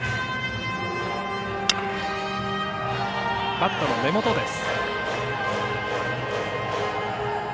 バットの根元です。